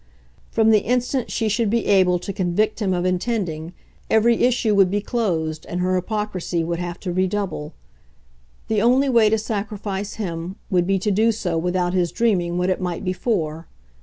From the instant she should be able to convict him of intending, every issue would be closed and her hypocrisy would have to redouble. The only way to sacrifice him would be to do so without his dreaming what it might be for.